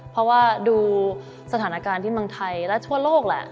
เพราะว่าดูสถานการณ์ที่เมืองไทยและทั่วโลกแหละ